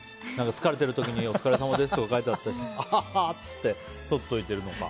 疲れている時にお疲れさまですとか書いてあってああって取っておいてるのか。